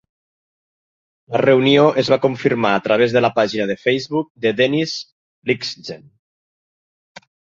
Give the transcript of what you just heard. La reunió es va confirmar a través de la pàgina de Facebook de Dennis Lyxzen.